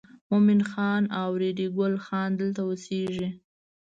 مومن خان او ریډي ګل خان دلته اوسېږي.